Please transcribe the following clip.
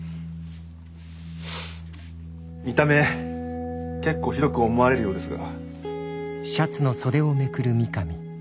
見た目結構ひどく思われるようですが。